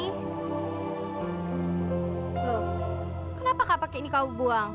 loh kenapa kapak ini kau buang